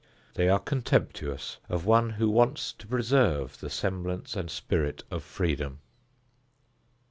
They are contemptuous of one who wants to preserve the semblance and spirit of freedom.